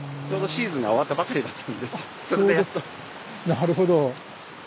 なるほど。